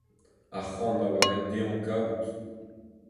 Arc'hant a oa ret dezhañ kavout.